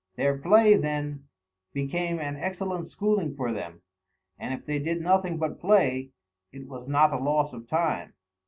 Their play, then, became an excellent schooling for them; and if they did nothing but play it was not a loss of time.